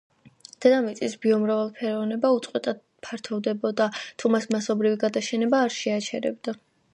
დედამიწის ბიომრავალფეროვნება უწყვეტად ფართოვდებოდა, თუ მას მასობრივი გადაშენება არ შეაჩერებდა.